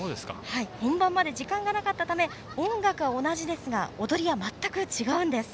本番まで時間がなかったため音楽は同じですが踊りは全く違うんです。